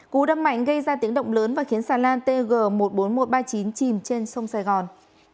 cú đâm mạnh gây ra tiếng động lớn và khiến xà lan tg một mươi bốn nghìn một trăm ba mươi chín chìm trên sông sài gòn